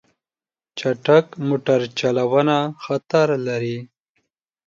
چټک موټر چلوونه خطر لري.